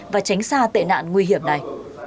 và tránh xa tệ nạn nguy hiểm này